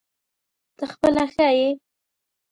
ته خپله ښه یې ؟